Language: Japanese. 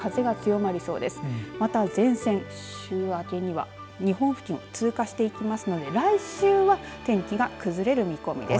また、前線、週明けには日本付近、通過していきますので来週は天気が崩れる見込みです。